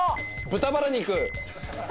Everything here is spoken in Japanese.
豚バラ肉。